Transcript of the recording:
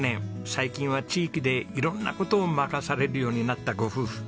最近は地域で色んな事を任されるようになったご夫婦。